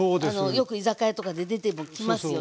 よく居酒屋とかで出てきますよね。